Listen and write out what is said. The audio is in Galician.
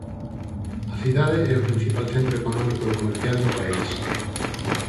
A cidade é o principal centro económico e comercial do país.